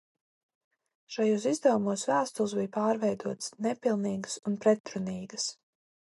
Šajos izdevumos vēstules bija pārveidotas, nepilnīgas un pretrunīgas.